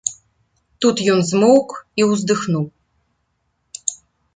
Тут ён змоўк і ўздыхнуў.